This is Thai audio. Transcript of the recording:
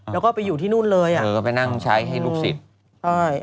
แล้วก็ไปอยู่ที่นู่นเลยไปนั่งใช้ให้ลูกศิษย์